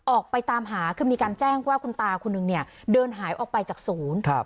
ออกไปตามหาคือมีการแจ้งว่าคุณตาคนหนึ่งเนี่ยเดินหายออกไปจากศูนย์ครับ